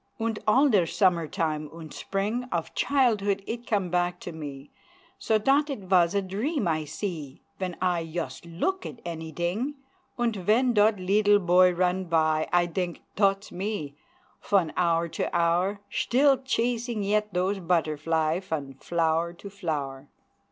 Unt all der summertime unt spring Of childhood it come back to me, So dot it vas a dream I see Ven I yust look at anyding, Unt ven dot leedle boy run by, I dink "dot's me," fon hour to hour Schtill chasing yet dose butterfly Fon flower to flower!